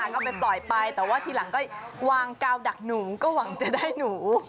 ก็ไปปล่อยไปแต่ว่าทีหลังก็วางกาวดักหนูก็หวังจะได้หนู